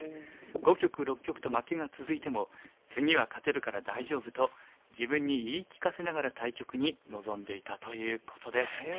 ５局６局と負けが続いても次は勝てるから大丈夫と自分に言い聞かせながら対局に臨んでいたということです。